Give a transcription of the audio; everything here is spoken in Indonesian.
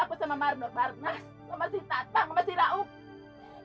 kenapa kita mesti takut sama mandor barnas sama si tatang sama si raup